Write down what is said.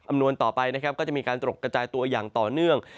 นวณต่อไปนะครับก็จะมีการตกกระจายตัวอย่างต่อเนื่อง